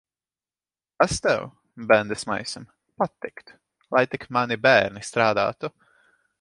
Tas tev, bendesmaisam, patiktu. Lai tik mani bērni strādātu.